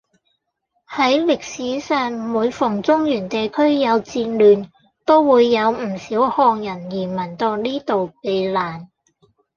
喺歷史上每逢中原地區有戰亂，都會有唔少漢人移民到呢度避難